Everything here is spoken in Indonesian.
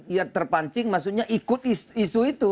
ya terpancing maksudnya ikut isu itu